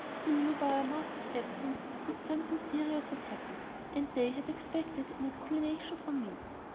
They knew by our master's absence that something serious had happened, and they had expected an explanation from me.